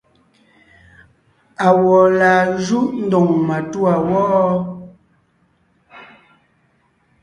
Awɔ̌ laa júʼ ndóŋ matûa wɔ́?